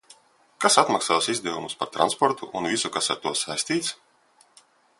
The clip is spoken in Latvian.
Kas atmaksās izdevumus par transportu un visu, kas ar to saistīts?